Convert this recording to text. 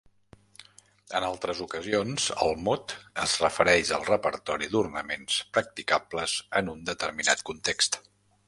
En altres ocasions el mot es refereix al repertori d'ornaments practicables en un determinat context.